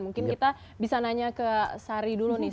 mungkin kita bisa nanya ke sari dulu nih